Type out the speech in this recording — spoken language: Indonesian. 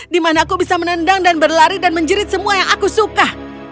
dimana aku bisa menendang dan berlari dan menjerit semua yang aku suka